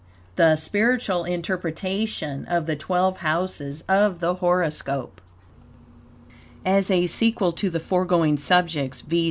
THE SPIRITUAL INTERPRETATION OF THE TWELVE HOUSES OF THE HOROSCOPE As a sequel to the foregoing subjects, viz.